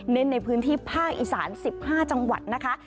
ในพื้นที่ภาคอีสาน๑๕จังหวัดนะคะ